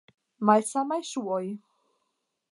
Malsamaj ŝuoj.